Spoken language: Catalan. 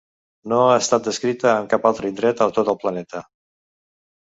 No ha estat descrita en cap altre indret a tot el planeta.